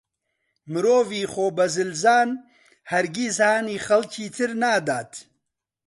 مرۆڤی خۆبەزلزان هەرگیز هانی خەڵکی تر نادات.